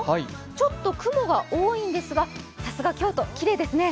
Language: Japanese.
ちょっと雲が多いんですが、さすが京都、きれいですね。